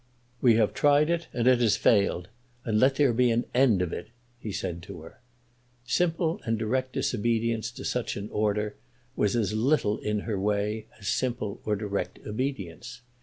"We have tried it and it has failed, and let there be an end of it," he said to her. Simple and direct disobedience to such an order was as little in her way as simple or direct obedience.